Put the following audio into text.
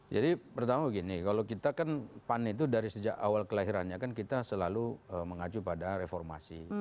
jadi pertama begini kalau kita kan pan itu dari awal kelahirannya kan kita selalu mengacu pada reformasi